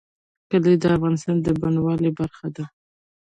کلي د افغانستان د بڼوالۍ برخه ده.